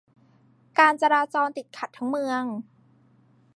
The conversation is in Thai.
การจราจรติดขัดทั้งเมือง